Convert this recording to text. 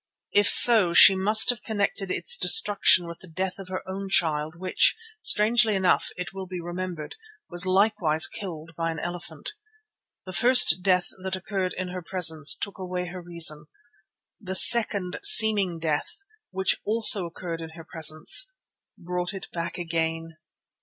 If so, she must also have connected its destruction with the death of her own child which, strangely enough, it will be remembered, was likewise killed by an elephant. The first death that occurred in her presence took away her reason, the second seeming death, which also occurred in her presence, brought it back again!